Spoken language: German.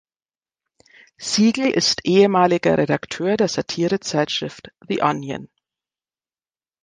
Siegel ist ehemaliger Redakteur der Satirezeitschrift The Onion.